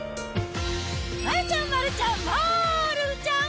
丸ちゃん、丸ちゃん、丸ちゃん。